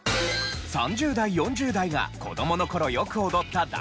３０代４０代が子どもの頃よく踊ったダンス曲